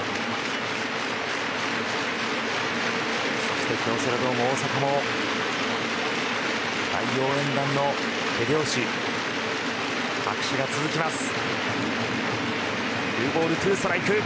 そして京セラドーム大阪も大応援団の手拍子と拍手が続きます。